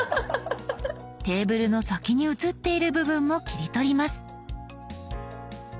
テーブルの先に写っている部分も切り取ります。